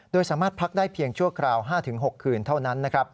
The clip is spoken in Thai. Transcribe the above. โดยสามารถพักได้เพียงชั่วคราว๕๖คืนเท่านั้น